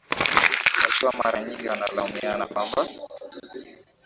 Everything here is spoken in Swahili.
wakiwa mara nyingi wanalaumiana kwamba